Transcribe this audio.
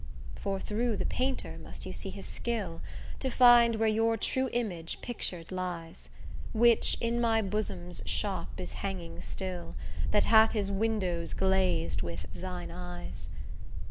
For through the painter must you see his skill, To find where your true image pictur'd lies, Which in my bosom's shop is hanging still, That hath his windows glazed with thine eyes.